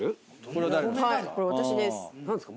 これ私です。